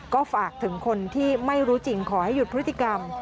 ก็ฝากถึงคนที่ไม่รู้จริงขอให้หยุดพฤติกรรม